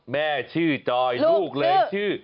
แม่ชื่อจอยลูกเลยชื่อ